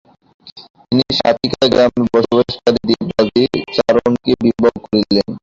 তিনি সাথিকা গ্রামে বসবাসকারী দেপা জি চারণকে বিবাহ করেছিলেন।